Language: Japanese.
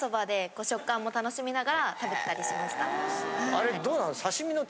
あれどうなの？